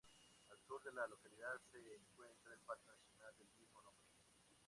Al sur de la localidad se encuentra el Parque Nacional del mismo nombre.